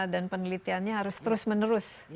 dan penelitiannya harus terus menerus